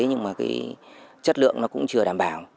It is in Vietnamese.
nhưng chất lượng cũng chưa đảm bảo